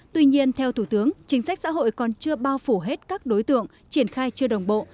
tuy nhiên theo thủ tướng chính sách xã hội còn chưa bao phủ hết các đối tượng triển khai chưa đồng bộ